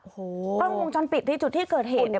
ก็งงจนปิดจุดที่เกิดเหตุ